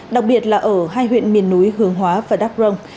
đặc biệt là ở hai huyện miền núi hướng hóa và đắk rồng